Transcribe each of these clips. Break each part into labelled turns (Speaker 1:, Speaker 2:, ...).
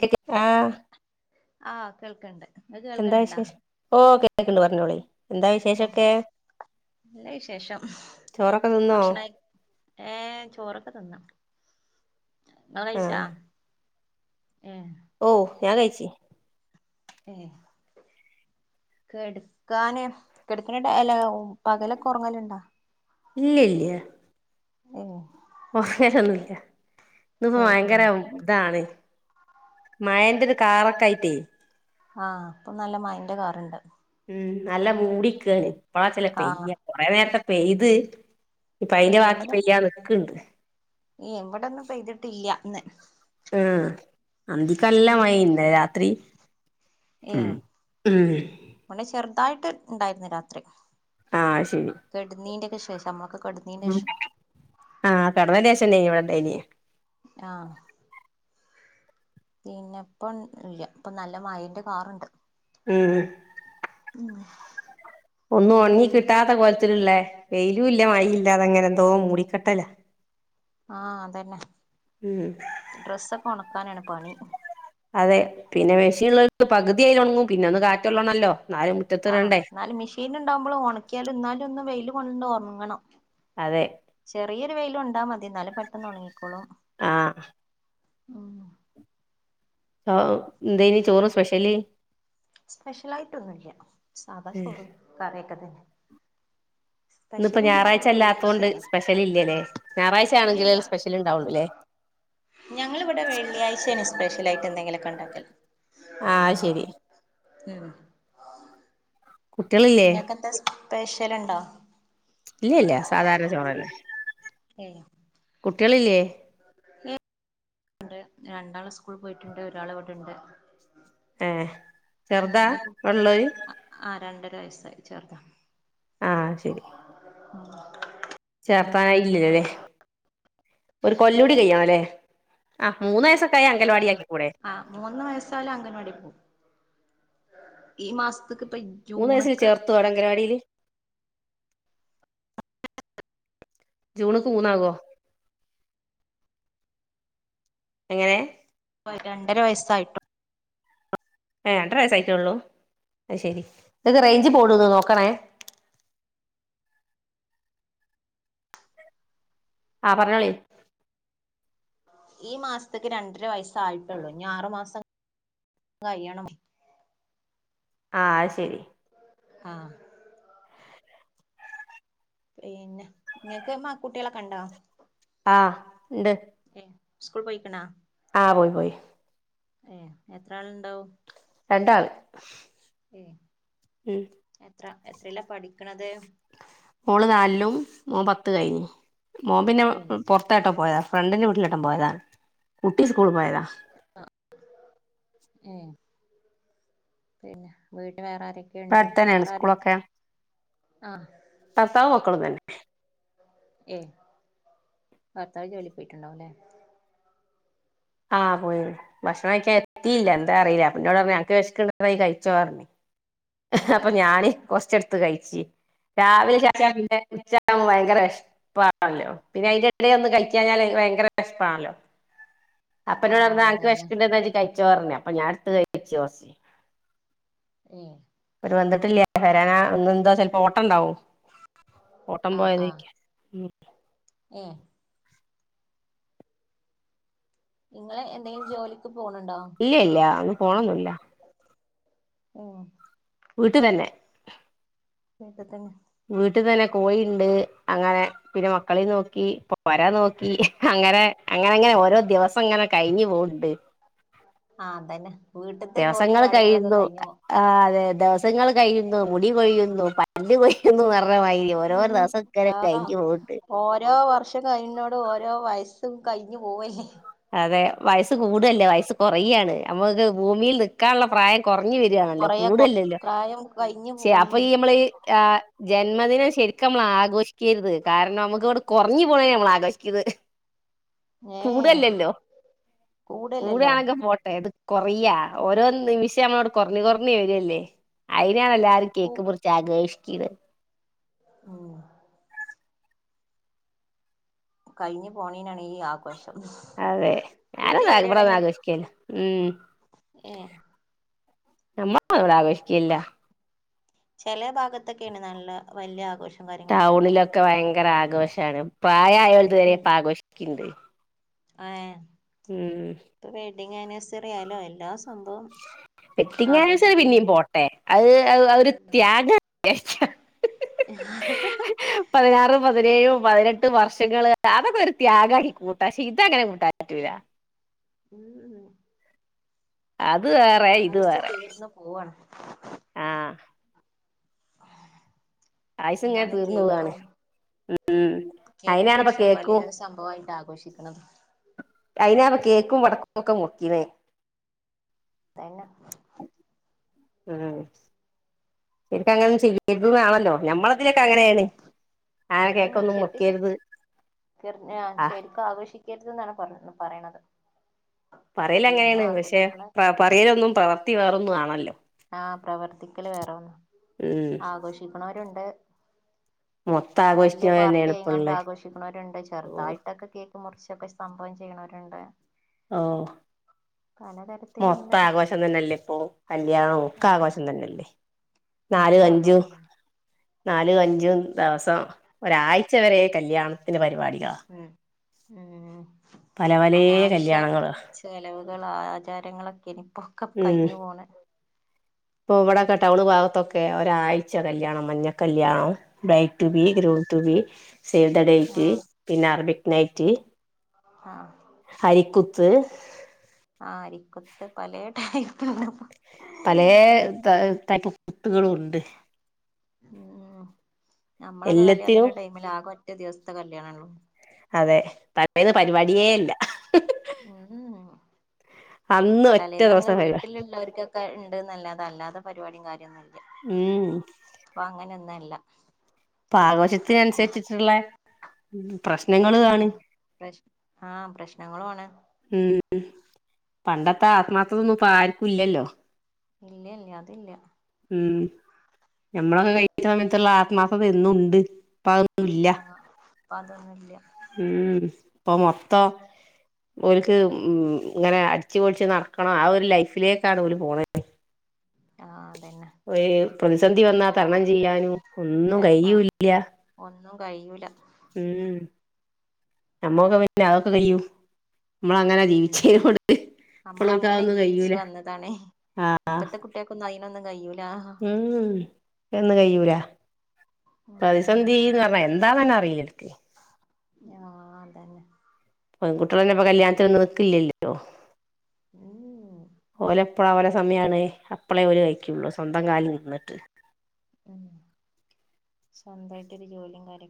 Speaker 1: Cake ആഹ്
Speaker 2: ആഹ് കേൾക്ക്‌ണ്ട്
Speaker 1: എന്താ വിശേഷം ഓ കേക്ക്ണ്ട് പറഞ്ഞോളി എന്താ
Speaker 2: ഓ
Speaker 1: വിശേഷൊക്കെ
Speaker 2: നല്ല വിശേഷം
Speaker 1: ചോറൊക്കെ തിന്നോ
Speaker 2: ഭക്ഷണം കഴി ഏഹ് ചോറൊക്കെ തിന്ന് നിങ്ങഴിച്ചാ
Speaker 1: ആഹ്
Speaker 2: ഏഹ്
Speaker 1: ഓഹ് ഞാൻ കഴിച്ചു
Speaker 2: ഏഹ് കെടക്കാന് കെടക്കണ പകലൊക്കെ ഉറങ്ങലുണ്ടാ
Speaker 1: ഇല്ല ഇല്ലേ
Speaker 2: ഉം
Speaker 1: പോയരൊന്നല്ല ഇന്ന്പ്പ
Speaker 2: ഏഹ്
Speaker 1: ഭയങ്കര
Speaker 2: ഏഹ്
Speaker 1: ഇതാണ് മയേന്റൊരു കാറൊക്കെ ആയിട്ടേ
Speaker 2: ആഹ് ഇപ്പൊ നല്ല മയേന്റെ കാറുണ്ട്
Speaker 1: ഉം നല്ല മൂടിക്കാണ് ഇപ്പളാ ചില
Speaker 2: ആഹ്
Speaker 1: പെയ്യ കൊറെ നേരത്തെ പെയ്ത് ഇപ്പൊ അയിന്റെ
Speaker 2: ഏഹ്
Speaker 1: ബാക്കി
Speaker 2: ഇവിടെ
Speaker 1: പെയ്യാൻ നിക്ക്‌ണ്ട്
Speaker 2: ഏഹ് ഇവിടൊന്നും പെയ്തിട്ടില്ല ഇന്ന്
Speaker 1: ഉം അന്തിക്കല്ല
Speaker 2: ഉം
Speaker 1: മഴന്നു ഇന്നലെ രാത്രി ഉം ഉം
Speaker 2: ഒന്ന് ചെറുതായിട്ട് ഇണ്ടായിരുന്നു രാത്രി.
Speaker 1: ആഹ് ശരി
Speaker 2: കെടുന്നീന്റെക്കെ ശേഷം നമ്മളൊക്കേ കേടാ
Speaker 1: ഉം ആഹ് കെടന്നേനേഷം ഇവിടെ ഇണ്ടേയിനു
Speaker 2: ആഹ് പിന്നെ ഇപ്പൊ ഇല്ല ഇപ്പൊ നല്ല മയേന്റെ കാറുണ്ട്
Speaker 1: ഉം ഉം
Speaker 2: ഉം.
Speaker 1: ഒന്നും ഉണങ്ങി കിട്ടാത്ത കൊലത്തിലള്ളേ വെയിലും ഇല്ല മഴയില്ലാതെ അങ്ങനെ എന്തോ മൂടിക്കെട്ടല.
Speaker 2: ആഹ് അതന്നെ
Speaker 1: ഉം
Speaker 2: ഡ്രസ്സൊക്കെ ഉണക്കാനാണ് പണി
Speaker 1: അതെ പിന്നെ മെഷീൻള്ള ഒരു പകുതി അയിൽ ഉണങ്ങും പിന്നെ ഒന്ന് കാറ്റൊള്ളണല്ലോ എന്നാലും.
Speaker 2: ആഹ്
Speaker 1: മുറ്റത്തിടണ്ടേ
Speaker 2: എന്നാലും മെഷീൻ ഉണ്ടാവുമ്പോള് ഉണക്കിയാലും എന്നാലും ഒന്നു വെയിൽ കൊണ്ട് ഉണങ്ങണം
Speaker 1: അതെ
Speaker 2: ചെറിയൊരു വെയില് കൊണ്ടാ മതി എന്നാലും പെട്ടെന്ന് ഉണങ്ങിക്കോളും.
Speaker 1: ആഹ്
Speaker 2: ഉം.
Speaker 1: ഓഹ് എന്തെയ്നി ചോറ് സ്പെഷ്യല്
Speaker 2: സ്പെഷ്യലായിട്ടൊന്നുല്ല്യ സാധാ ചോറും കറിയൊക്കെ തന്നെ
Speaker 1: ഇന്ന് ഇപ്പോ
Speaker 2: സ്പെഷ്യല്
Speaker 1: ഞായറാഴ്ച്ച
Speaker 2: ഇണ്ടാക്കല്
Speaker 1: അല്ലാത്തോണ്ട്
Speaker 2: വെള്ളിയാഴ്ചയൊക്കെ
Speaker 1: സ്പെഷ്യൽ ഇല്ലല്ലേ ഞായറാഴ്ച്ച ആണെങ്കിലെ
Speaker 2: ഇല്ലില്ല
Speaker 1: സ്പെഷ്യൽ ഉണ്ടാവുള്ളൂലേ
Speaker 2: ഞങ്ങളിവിടെ വെള്ളിയാഴ്ച്ചയാണ് സ്പെഷ്യലായിട്ട് എന്തെങ്കിലൊക്കെ ഇണ്ടാക്കൽ
Speaker 1: ആഹ് അത് ശരി
Speaker 2: ഉം
Speaker 1: കുട്ടികളില്ലേ
Speaker 2: നിങ്ങക്ക് എന്താ സ്പെഷ്യൽണ്ടോ
Speaker 1: ഇല്ല ഇല്ല സാധാരണ ചോറ്ന്നേ കുട്ടിളില്ല്യേ
Speaker 2: ഇ രണ്ടാള് സ്കൂൾ പോയിട്ടുണ്ട് ഒരാൾ ഇവിടെണ്ട്
Speaker 1: ഏഹ്
Speaker 2: ഉം
Speaker 1: ചെറുതാ
Speaker 2: കു
Speaker 1: ഉള്ളോര്
Speaker 2: ആഹ് രണ്ടര വയസ്സായി ചേർതാ
Speaker 1: ആഹ് ശരി
Speaker 2: ഉം [unintelligible]
Speaker 1: ചേർത്താന ഇല്ല്യലേ ഒരു കൊല്ലൂടി കഴ്യാണലേ ആഹ് മൂന്നു വയസകെ
Speaker 2: [unintelligible] ആഹ് മൂന്ന് വയസയാൽ അംഗൻവാടി പോവും ഈ മാസ്ത്ക്ക് ഇപ്പ
Speaker 1: മൂന്ന് വയസ്സിൽ
Speaker 2: ജൂണക്ക്
Speaker 1: ചേർതോ അടങ്കരാഡില് ജൂണ്ക്ക് മൂന്നാകോ എങ്ങനെ
Speaker 2: പ്പോ രണ്ടര വയസ്സായിട്ടോ
Speaker 1: ഏയ് രണ്ട്ര വയസ്സ് ആയിട്ടോള്ളൂ അയി ശരി ഇങ്ങക്ക് റൈഞ്ച് പോണ്ന്ന് നോക്കണേ ആഹ് പർഞ്ഞോളി
Speaker 2: ഈ മാസ്ത്ക്ക് രണ്ടര വയസ്സായിട്ടൊ ള്ളൂ ഇനി ആറു മാസം കഴിയണം
Speaker 1: ആഹ്ശരി
Speaker 2: ആഹ് പിന്നെ ഇങ്ങക്ക് മ കുട്ട്യോളെകണ്ടോ
Speaker 1: ആഹ്ണ്ട്
Speaker 2: ഏഹ് സ്കൂൾ പോയിക്ണാ
Speaker 1: ആഹ് പോയി പോയി
Speaker 2: ഏഹ് എത്ര ആൾണ്ടാവും
Speaker 1: രണ്ടാള് ഉം
Speaker 2: എത്ര എത്രീല പഠിക്കണത്
Speaker 1: മോള് നാലും മോൻ പത്ത് കഴിഞ്ഞു മോൻ പിന്നെ
Speaker 2: ഏ
Speaker 1: പൊറത്താട്ട പോയ ഫ്രണ്ടിന്റെ വീട്ടിലായിട്ട പോയതാ കുട്ടി സ്കൂൾ പോയതാ
Speaker 2: ആഹ് ഏഹ് പിന്നെ വീട്ട് വേറെ ആരക്കെ
Speaker 1: ഇവിടെ
Speaker 2: കെണ്ട്
Speaker 1: അടുത്ത് തന്നെയാണ്
Speaker 2: വേറെആര് ആഹ്
Speaker 1: ഭർത്താവു മക്കളും തന്നെ
Speaker 2: ഏഹ് ഭർത്താവ് ജോലിക് പോയിട്ടുണ്ടാവുലേ
Speaker 1: ആഹ് പോയി ഭക്ഷണം കഴിക്കാൻഎത്തീല എന്താ അറീല അപ്പന്നോടർഞ്ഞ് അന്ക് വെഷക്ണ്ടങ്കി പോയി കഴിച്ചോ പറഞ്ഞി [unintelligible] അപ്പൊ ഞാന് കൊറച്ചട് ത്ത് കഴിച്ചി രാവിലെ ച്ചൻ ഉച്ചവുബോ ഭയങ്കര വെഷ്പ്പ് പ്പല്ലോ പിന്നെ അയിന്റെ യെടെലൊന്ന്‌ കഴികാഞ്ഞാല് വയങ്കര വെഷ്പാ ണല്ലോ അപ്പനോട്
Speaker 2: ആഹ്
Speaker 1: പർണ്
Speaker 2: അതന്നെ
Speaker 1: വെശക്കണ്ടന്ന് കഴിച്ചോ പറഞ്ഞി അപ്പൊ ഞാൻ ടുത്ത് കഴിച്ചു കൊർച്
Speaker 2: ഏഹ്
Speaker 1: അവര് വന്നിട്ടില്ല്യ വരാന ഇന്ന് എന്തോ ചെൽപ്പോ ഓട്ടംണ്ടാവും ഓട്ടം പോയതേക്ക ഉം
Speaker 2: ഏയേ ഇങ്ങളേ ന്തെങ്കിലും ജോലിക്ക് പോണു ണ്ടോ
Speaker 1: ഇല്ല്യല്ല ഒന്ന് പോണന്നുല്ല
Speaker 2: ഓ
Speaker 1: വീട്ടിൽ തന്നെ
Speaker 2: വീട്ട് തന്നെ.
Speaker 1: വീട്ട്തന്നെ കോഴിണ്ട് അങ്ങനെ പിന്നെ മക്കളീം നോക്കി പൊര നോക്കി അങ്ങനെ അങ്ങനെങ്ങനെ ഓരോ ദിവസംങ്ങനെ കഴിഞ്ഞു പോവ്ണ്ട്
Speaker 2: ആഹ് അതന്നെ വീട്ട്ത്തെ ജോലിം കാര്യങ്ങളൊക്കെ കഴിഞ്ഞു പോ
Speaker 1: ആഹ് അതെ ദെവസങ്ങൾ കയ്യുന്നു മുടി കൊയ്യുന്നു പല്ല് കൊയ്യുന്നു പർഞ്ഞമാരി ഓരോ
Speaker 2: ഉം
Speaker 1: ദെവസങ്ങനെ
Speaker 2: ആഹ്
Speaker 1: കയിഞ് പോക്ണ്ട്
Speaker 2: ഓരോ വർഷം കയിന്നോടും ഓരോ വയസ്സും കഴിഞ്ഞു പോവല്ലേ
Speaker 1: അതെ വയസ്സ് കൂടല്ല വയസ്സ് കൊറയ്യാണ് നമ്മളൊക്കെ ഭൂമിയിൽ നി നിക്കാള്ള പ്രായം കൊർഞ് വരാണല്ലോ
Speaker 2: കൊറയ കൊ
Speaker 1: കൂടല്ലല്ലോ
Speaker 2: പ്രായം കഴിഞ്ഞു
Speaker 1: ശെ
Speaker 2: പോവും
Speaker 1: അപ്പൊ ഈ നമ്മൾ ആ ജന്മദിനം ശരിക്കമ്മൾ ആഘോഷിക്കരുത് കാരണം നമ്മുക്ക്വ്ടെ കൊർഞ്ഞു പോണെ നമ്മൾ ആഘോഷിച്ചത്
Speaker 2: ഞേ ഏ
Speaker 1: കൂടാണെങ്കി പോട്ടെ ഇത് കൊറയാ
Speaker 2: ഉം
Speaker 1: ഓരോ നിമിഷം നമ്മളോണ്ട് കൊറഞ് കൊർഞ് വരല്ലേ അയിനാണ് എല്ലാരും
Speaker 2: കൂ
Speaker 1: കേക്ക് മുർച്ച് ആഘോഷിക്ക്ണ്
Speaker 2: ഉം കയ്ഞ് പോണേനാണ് ഈ ആ ഘോഷം
Speaker 1: അതെ
Speaker 2: കൂടി
Speaker 1: ഞാനത്
Speaker 2: വരാണെങ്ക
Speaker 1: ഇവിടൊന്നും ആഘോഷിക്കേല്ല ഉം
Speaker 2: ഏ
Speaker 1: ഞമ്മക്ക് ഇവ്ടെ ആവശിക്കയില്ല
Speaker 2: ചേലെ ഭാഗത്തൊക്കേണ് നല്ല വല്യ ആഘോഷം കാര്യങ്ങളൊക്കെ ഉണ്ടാവും
Speaker 1: ടൗണിലൊക്കെ വയങ്കര ആഘോഷാണ് പ്രായായോൽത് വരെ ഇപ്പ ആഘോഷിക്ക്ണ്ട്
Speaker 2: അയെ
Speaker 1: ഉം
Speaker 2: ഇപ്പ വെഡ്ഡിങ് ആനിവേഴ്സറി ആയാലും എല്ലാ സംഭവം
Speaker 1: വെഡ്ഡിംങ് ആനിവേഴ്സറി പിന്നിം
Speaker 2: ആഘോഷിക്കന്നെയാണ് ഇപ്പൊ
Speaker 1: പോട്ടെ അഹ് അഹ് ഒരു ത്യാഗം വിചാര്ച്ച
Speaker 2: ഹ ഹ ഹ
Speaker 1: പതിനാറും പതിനേയും പതിനെട്ടും വർഷങ്ങള് അതൊക്കൊരു ത്യാഗായി കൂട്ട പക്ഷെ ഇതങ്ങനെ കൂട്ടാ പറ്റൂല്ല
Speaker 2: ഉം ഉം
Speaker 1: അത് വേ
Speaker 2: ദാഹിച്ച് തീർന്ന് പോവാണ്
Speaker 1: ആഹ് ആയുസ് ഇങ്ങനെ
Speaker 2: അതാണ്
Speaker 1: തീർന്നു പോവാണ്
Speaker 2: കേക്കും
Speaker 1: ഉം
Speaker 2: കേക്ക്
Speaker 1: അയിനാണിപ്പ
Speaker 2: മുർച്ചും
Speaker 1: കേക്കും
Speaker 2: പലേ സംഭവായിട്ട് ആഘോഷിക്ക്ണത്
Speaker 1: അയിനാണ് കേക്കും വടക്കൊക്കെ മുർക്കിണേ
Speaker 2: ത്താ പിന്നെ
Speaker 1: ഉം ശെര്ക്കങ്ങനൊന്നും ചെയ്യരുത് ന്നാണല്ലോ ഞമ്മള് ചിലൊക്കെ അങ്ങനെണ് അങ്ങനെ കേക്കൊന്നും മുർക്കരുത്
Speaker 2: കിർഞ്ഞ ശരിക്കും ആഘോഷിക്കരുതെന്നാണ് പർഞ പറിണത്
Speaker 1: പറയലങ്ങനെണ് പക്ഷെ പ പറയലൊന്നും പ്രവർത്തി വേറൊന്നും ആണല്ലോ
Speaker 2: ആഹ് പ്രവർത്തിക്കല് വേറൊന്ന
Speaker 1: ഉം
Speaker 2: ആഘോഷിക്ക്ണോരുണ്ട്
Speaker 1: മൊത്തം
Speaker 2: വല്യ
Speaker 1: ആഘോഷിക്കുന്നത് തന്നെയാണ് ഇപ്പ
Speaker 2: പാർട്ടിയായിക്കാണ്ട്
Speaker 1: ഉള്ളെ
Speaker 2: ആഘോഷിക്ക്ണോര്ണ്ട്
Speaker 1: ഓഹ്
Speaker 2: ചെറുതായിട്ടൊക്കെ കേക്ക് ക്ക് മുർച്ചൊക്കെ സംഭവം ചെയ്യ്ണോരുണ്ട്
Speaker 1: ആഹ്
Speaker 2: പലതരത്തിലുണ്ട്
Speaker 1: മൊത്താഘോഷ ഷം തന്നല്ലേപ്പോ കല്യാണം
Speaker 2: ആഹ്
Speaker 1: ഒക്കാഘോശം തന്നെല്ലേ നാല്
Speaker 2: ഒക്കെ
Speaker 1: അഞ്ചു
Speaker 2: ആഘോഷം തന്നെ
Speaker 1: നാല് അഞ്ചും ദെവസം ഒരാഴ്ച വരെ കല്യാണത്തിന്റെ പരിപാടികളാ
Speaker 2: ഉം ഉം
Speaker 1: പല പലേ കല്യാണങ്ങളൊ
Speaker 2: ചെലവുകള് ആചാരങ്ങളൊക്കെനിയിപ്പോക്കെ
Speaker 1: ഉം
Speaker 2: കഴിഞ് പോണ്
Speaker 1: ഇപ്പൊ ഇവടെക്കെ ടൗൺ ഭാഗത്തൊക്കെ ഒരാഴ്ച കല്യാണം മഞ്ഞ കല്യാണം ബ്രായ് റ്റു ബി
Speaker 2: ഉം
Speaker 1: groom to be save the date
Speaker 2: ആഹ്
Speaker 1: പിന്നെ അറബിക്ക് നൈറ്റ്
Speaker 2: ആഹ്
Speaker 1: ഹരിക്കുത്ത്
Speaker 2: ആ അരിക്കുത്ത് പലേ ടൈപ്
Speaker 1: പല ടൈപ്പ്് കുട്ടികളും ഉണ്ട്
Speaker 2: ഉം നമ്മളൊക്കെ
Speaker 1: എല്ലത്തിനും
Speaker 2: കല്യാണംത്തിന്റെ ടൈമിൽകും വ ദിവസസ്ഥ കല്യാണ ഉല്ലോ
Speaker 1: അതെ പലന്ന് പരിപാടിയേ ഇല്ല
Speaker 2: ഉ
Speaker 1: അന്ന്
Speaker 2: തലേ
Speaker 1: ഒറ്റ
Speaker 2: നമ്മള്
Speaker 1: ദിവസം പരിപാടി
Speaker 2: വീട്ടിലുള്ളവർക്കൊക്കെ ഒക്കെ ഉണ്ട്ന്നല്ലാതെ അല്ലാത്ത പരിപാടും കാര്യന്നല്ല
Speaker 1: ഉം
Speaker 2: ഇപ്പൊ അങ്ങനൊന്നല്ല
Speaker 1: ആഘോഷത്തിന അനുസരിച്ചിട്ടുള്ള
Speaker 2: ഉം പ്രശ് ആഹ് പ്രശ്നങ്ങള ആണ്
Speaker 1: ഉം പണ്ടത്തെ ആത്മാർത്ഥതൊന്നും ഇപ്പ ആർക്കും ഇല്ലല്ലോ
Speaker 2: ഇല്ല ഇല്ല അതി ഇല്ല
Speaker 1: ഉം ഞമ്മളൊക്കെ കഴിക്ക സമയത്തുള്ള ആത്മാർത്ഥത എന്നും ഉണ്ട് ഇപ്പ അതൊന്നും ഇല്ല
Speaker 2: ആഹ് ഇപ്പൊ അതൊന്നുംല്ല
Speaker 1: ഉം ഇപ്പം മൊത്തം ഓല്ക് ഉം ഇങ്ങനെ അടിച്ചു പൊടിച്ച് നടക്കണം ആ ഒരു ലൈഫിലേക്കാണ് അവര് പോണ
Speaker 2: ആഹ് അതന്നെ
Speaker 1: പ്രതിസന്ധി വന്നാ തരണം ചെയ്യാനും ഒന്നും
Speaker 2: കാരണം
Speaker 1: കഴ്ല്ല
Speaker 2: ഒന്നും കയൂല
Speaker 1: ഉം നമ്മൊക്കെ പിന്ന അതൊക്കെ കഴിയൂ നമ്മള അങ്ങനെ ജീവിച്ചേതിനോണ്ട്
Speaker 2: നമ്മൾ അങ്ങനെ ജീവിച്ചു വന്നതാണ് ഇപ്പത്തെ കുട്ടിക്ക ഒന്നും അതിനൊന്നും കഴിയൂല്ല
Speaker 1: ഉം ഉം അയ് നൊന്നും കയൂല [unintelligible]
Speaker 2: ഉം
Speaker 1: ചെയ്യന്ന് പറഞ്ഞാ എന്താ തന്നെ അറിയൂല ഓല്ക്
Speaker 2: ആഹ് അതന്നെ
Speaker 1: പെൺകുട്ടികൾ അയ്ൻ കല്യാണത്തിും നിൽക്കില്ലല്ലോ പ്പോ
Speaker 2: ഉം ഉം
Speaker 1: ഓലെ എപ്പളാ ഓലെ സമയാണ് അപ്പളേ ഓലെ കഴിക്കുള്ളൂ സ്വന്തം കാലിൽ നിന്നിട്ട്
Speaker 2: ഉം സ്വന്തയിട്ടൊരു ജോലിയും കാര്യ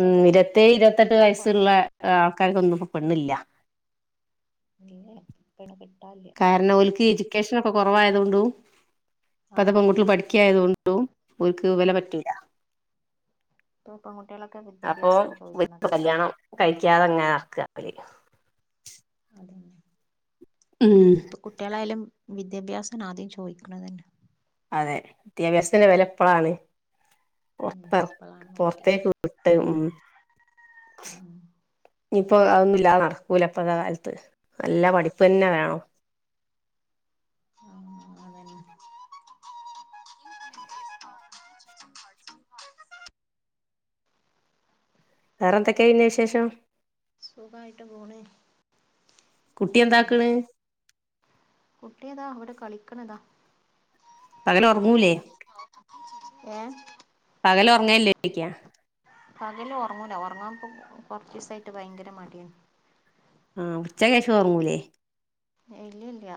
Speaker 1: ഉം ഇരുപത്തെഴി ഇരുപത്തെട്ട് വയസ്സുള്ള ആൾക്കാർക്കൊന്നും ഇപ്പോ പെണ്ണില്ല
Speaker 2: ഇല്ല ഇപ്പയ്ൻ കിട്ടാൻ ല്ലാ
Speaker 1: കാരണം ഒൽക്ക് എഡ്യൂക്കേഷൻ ഒക്കെ കുറവായതുകൊണ്ട് പതെ
Speaker 2: ആഹ്
Speaker 1: പെൺകൂട്ട്യാൾ പഠിക്കയതു കൊണ്ടും ഓല്ക്ക് ഇവരെ
Speaker 2: ഉം
Speaker 1: പറ്റൂല്ല
Speaker 2: ഇപ്പൊ പെൺകുട്ടികളൊക്കെ
Speaker 1: അപ്പൊ
Speaker 2: വിദ്യാഭ്യാസാണ്
Speaker 1: വർക്ക്
Speaker 2: ചോദിക്കണത്
Speaker 1: കല്യാണം കഴിക്കാതെ ഇങ്ങനെ നടക അവര്
Speaker 2: അതന്നെ
Speaker 1: ഉം
Speaker 2: ഇപ്പ കുട്ട്യാളായാലും വിദ്യാഭ്യാസം ആദ്യം ചോദിക്കണ തന്നെ
Speaker 1: അതെ വിദ്യാഭ്യാസത്തിന്റെ വില ഇപ്പഴാണ്
Speaker 2: ഉം
Speaker 1: പുറത്തെ
Speaker 2: ഇപ്പളാണ്
Speaker 1: പുറത്തേക്ക്
Speaker 2: മനസ്സിലായത്
Speaker 1: വിട്ട് ഉം
Speaker 2: ആഹ്
Speaker 1: ഇനിയിപ്പോ അതൊന്നുല്ലാതെ നടക്കൂല ഇപ്പഴത്തെ കാലത്ത് നല്ല പഠിപ്പ് തന്നെ വേണോ
Speaker 2: ആഹ് അതന്നെ
Speaker 1: വേറെ എന്തൊക്കെയ പിന്നെ വിശേഷം
Speaker 2: സുഖയിട്ട് പോണ
Speaker 1: കുട്ടി
Speaker 2: നല്ല പാട്
Speaker 1: എന്താക്ക്ണ്
Speaker 2: കുട്ടിയതാ ഇവിടെ കളിക്കണതാ
Speaker 1: പകല് ഉറങ്ങൂലേ
Speaker 2: ഏഹ്
Speaker 1: പകൽ ഉറങ്ങല്ലെ ചോയ്ക്ക
Speaker 2: പകല് ഉറങ്ങൂല ഒറങ്ങാൻപ്പ കുറച്ച് ദിവസായിട്ട് ഭയങ്കര മടിയ
Speaker 1: ഉം ഉച്ചകേഷം ഉറങ്ങൂലേ
Speaker 2: ഇല്ലല്ല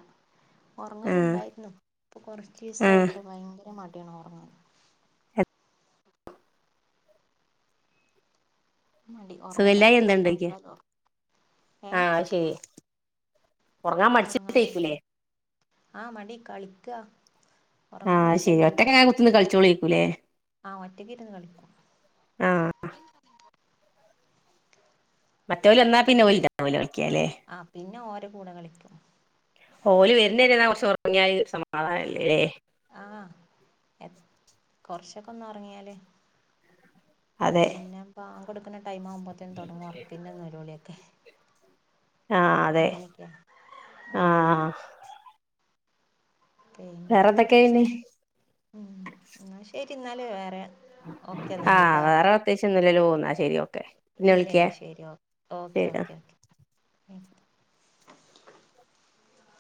Speaker 2: ഉറങ്ങല
Speaker 1: ആ
Speaker 2: ഇണ്ടായിരുന്നു ഇപ്പൊ കുറച്ച്
Speaker 1: ആ
Speaker 2: സായിട്ട് ഭയങ്കര [unintelligible] മടി ഒറങ്ങൂല
Speaker 1: സുഖല്ലായി
Speaker 2: എത്ര
Speaker 1: എന്താ ഉണ്ടോയ്ക്കാ
Speaker 2: ശ്രമിച്ചാലും
Speaker 1: ആ
Speaker 2: ഏഹ്
Speaker 1: അത് ശരി ഉറങ്ങാൻ
Speaker 2: ഒറങ്ങാൻ
Speaker 1: മടിച്ചിട്ടേക്കൂലേ
Speaker 2: ഭയങ്കരം ആഹ് മടി കളിക്ക
Speaker 1: ആഹ് ശരി ഒറ്റക്ക ങ്ങനെ കുത്ത്ർന്ന് കളിച്ചോളെക്കൂല്ലേ
Speaker 2: ആഹ് ഒറ്റക്ക് ഇരുന്ന് കളിക്കും
Speaker 1: ആഹ്
Speaker 2: [unintelligible]
Speaker 1: മറ്റേ ല എന്നാ
Speaker 2: പിന്നെ
Speaker 1: പിന്നെല കളിക്കിയാലേ
Speaker 2: ആഹ് പിന്നെ ഓരെ കൂടെ കളിക്കും
Speaker 1: ഓല് വരുന്ന വരെ എന്നാ കുറച്ച് ഉറങ്ങിയാൽ സമാധാനംല്ലേ
Speaker 2: ആഹ് എ കൊറച്ചൊക്കെ ഒന്നും ഒറങ്ങിയല്
Speaker 1: അതെ
Speaker 2: പിന്നെ ബാ കൊടുക്കുന്ന ടൈം ആവുമ്പോത്തേനും തുടങ്ങും വർക്കിന്റെ നില്ല വിളിയൊക്കെ
Speaker 1: ആഹ് അതെ
Speaker 2: അങ്ങനെയൊക്കായ ഉം
Speaker 1: ആഹ്
Speaker 2: പിന്നെ
Speaker 1: വേറെന്തൊക്കെയാ പിന്നെ
Speaker 2: ഉം എന്ന ശരി എന്നല് വേറെ ഓക്കെ എന്നാല്
Speaker 1: ആഹ് വേറെ പ്രത്യകിച്ച് ഒന്നുമില്ലല്ലോ എന്നാ ശരി ഓക്ക
Speaker 2: ഇല്ല ഇല്ല ശരി ഓക്കേ
Speaker 1: ശരി ആഹ്
Speaker 2: ഓക്കേ ഓ